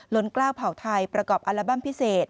ล้นกล้าวเผ่าไทยประกอบอัลบั้มพิเศษ